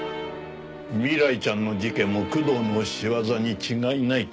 未来ちゃんの事件も工藤の仕業に違いないと思った。